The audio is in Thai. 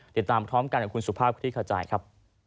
เดี๋ยวตามพร้อมการของคุณสุภาพคุณที่เข้าใจครับ